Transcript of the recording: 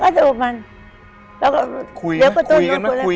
คุยกันมั้ย